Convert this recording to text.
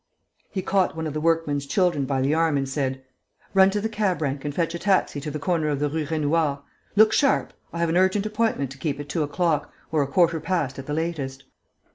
He caught one of the workman's children by the arm and said: "Run to the cab rank and fetch a taxi to the corner of the Rue Raynouard. Look sharp! I have an urgent appointment to keep at two o'clock, or a quarter past at the latest."